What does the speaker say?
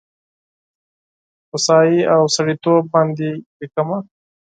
هوسايي او سړیتوب باندې لیکمه